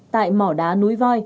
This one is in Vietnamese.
tại mỏ đá núi voi